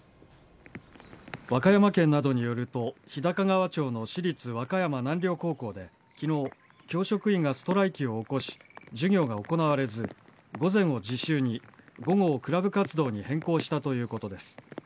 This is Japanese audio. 和歌山県などによると日高川町の私立和歌山南陵高校で昨日、教職員がストライキを起こし授業が行われず午前を自習に午後をクラブ活動に変更したということです。